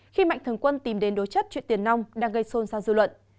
khi mạnh thường quân tìm đến đối chất chuyện tiền nông đang gây xôn xa dư luận